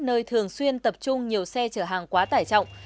nơi thường xuyên tập trung nhiều xe chở hàng quá tải trọng